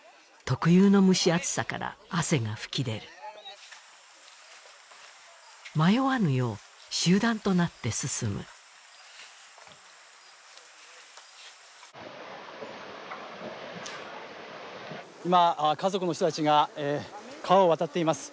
特有の蒸し暑さから汗が噴き出る迷わぬよう集団となって進む今家族の人たちが川を渡っています